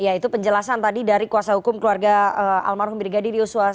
ya itu penjelasan tadi dari kuasa hukum keluarga almarhum brigadi di uswa